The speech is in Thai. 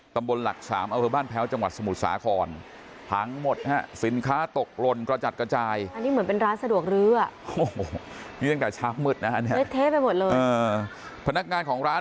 ตำบลหลักสามเอาเป็นบ้านแพ้วจังหวัดสมุทรสาคร